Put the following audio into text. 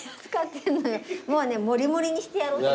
もうね盛り盛りにしてやろうと思って。